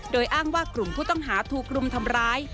โดยอ้างว่ากลุ่มผู้ต้องหาถูกรุมทำร้าย